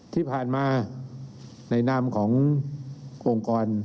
ที่ผ่านมาในนามขององค์กร